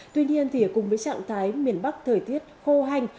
tuy nhiên thì cùng với trạng thái miền bắc thời tiết khô hành